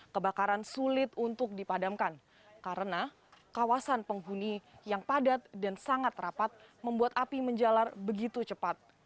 kebakaran sulit untuk dipadamkan karena kawasan penghuni yang padat dan sangat rapat membuat api menjalar begitu cepat